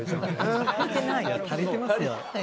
いや足りてますよ。